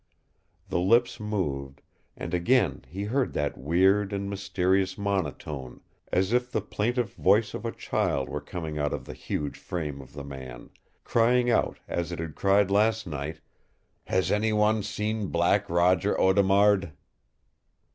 The lips moved, and again he heard that weird and mysterious monotone, as if the plaintive voice of a child were coming out of the huge frame of the man, crying out as it had cried last night, "HAS ANY ONE SEEN BLACK ROGER AUDEMARD?"